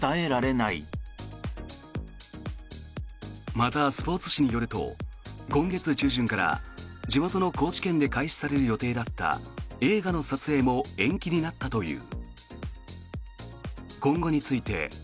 また、スポーツ紙によると今月中旬から地元の高知県で開始される予定だった映画の撮影も延期になったという。